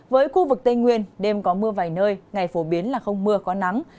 với khu vực tây nguyên đêm có mưa vài nơi ngày phổ biến là không mưa có nắng